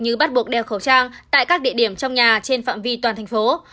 như bắt buộc đeo khẩu trang tại các địa điểm trong nhà trên phạm vi toàn thành phố